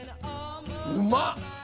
うまっ！